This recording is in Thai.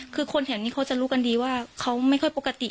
คือคนแถวนี้เขาจะรู้กันดีว่าเขาไม่ค่อยปกติ